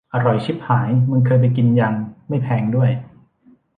อร่อยชิบหาย มึงเคยไปกินยัง ไม่แพงด้วย